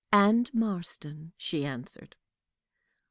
"And Marston," she answered.